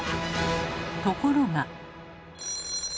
ところが。